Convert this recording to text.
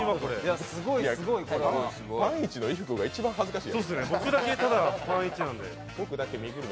パンイチの井福が一番恥ずかしい。